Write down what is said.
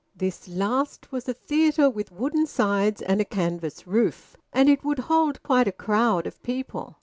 This last was a theatre with wooden sides and a canvas roof, and it would hold quite a crowd of people.